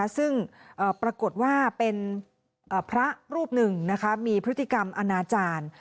ซึ่งปรากฏว่าเป็นพระรูปหนึ่งมีพฤติกรรมอนาจารย์